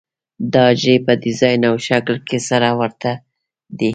دا حجرې په ډیزاین او شکل کې سره ورته دي.